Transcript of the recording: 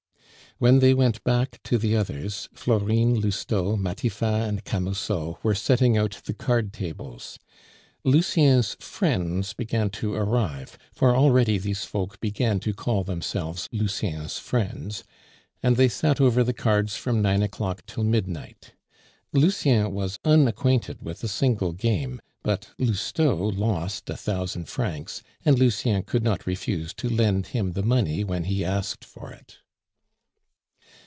When they went back to the others, Florine, Lousteau, Matifat, and Camusot were setting out the card tables. Lucien's friends began to arrive, for already these folk began to call themselves "Lucien's friends"; and they sat over the cards from nine o'clock till midnight. Lucien was unacquainted with a single game, but Lousteau lost a thousand francs, and Lucien could not refuse to lend him the money when he asked for it.